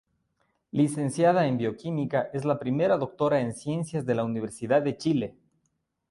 Licenciada en Bioquímica es la primera Doctora en Ciencias de la Universidad de Chile.